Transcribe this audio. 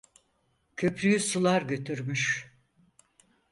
Köprüyü sular götürmüş...